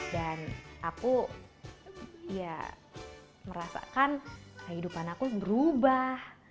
dan aku ya merasakan kehidupan aku berubah